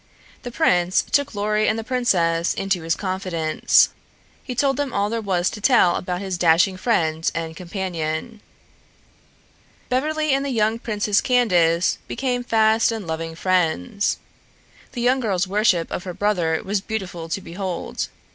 The prince took Lorry and the princess into his confidence. He told them all there was to tell about his dashing friend and companion. Beverly and the young Princess Candace became fast and loving friends. The young girl's worship of her brother was beautiful to behold.